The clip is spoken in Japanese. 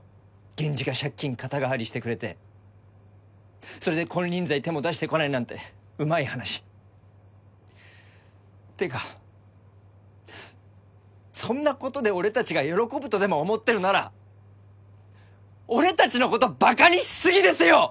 ゲンジが借金肩代わりしてくれてそれで金輪際手も出してこないなんてうまい話ってかそんなことで俺達が喜ぶとでも思ってるなら俺達のことバカにしすぎですよ！